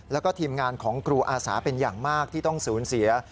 แล้วก็ทีมงานของครูอาสาเป็นอย่างมากที่ต้องสูญเสีย